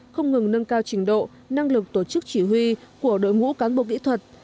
không ngừng nâng cao trình độ năng lực tổ chức chỉ huy của đội ngũ cán bộ kỹ thuật